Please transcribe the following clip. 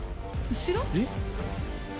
後ろ？